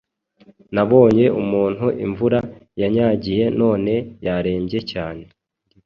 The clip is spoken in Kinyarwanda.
Nabonye ,umuntu imvura yanyagiye none yarembye cyane